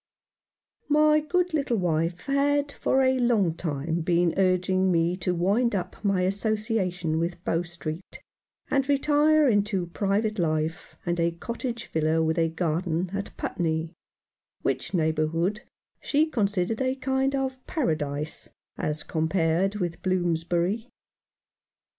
My good little wife had for a long time been urging me to wind up my association with Bow Street, and retire into private life, and a cottage villa with a garden, at Putney, which neighbour hood she considered a kind of Paradise as com pared with Bloomsbury.